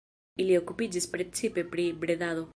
Ili okupiĝis precipe pri bredado.